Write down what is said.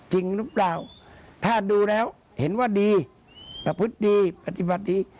จริงหรือเปล่าถ้าดูแล้วเห็นว่าดีประพฤติดีปฏิบัติดี